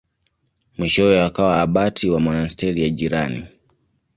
Mwishowe akawa abati wa monasteri ya jirani.